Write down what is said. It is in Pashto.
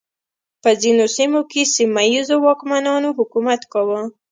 په ځینو سیمو کې سیمه ییزو واکمنانو حکومت کاوه.